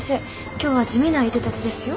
今日は地味ないでたちですよ。